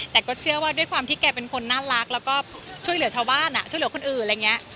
แต่ก็เชื่อว่าด้วยความที่แกเป็นคนน่ารักแล้วก็ช่วยเหลือชาวบ้านช่วยเหลือคนอื่นอะไรอย่างนี้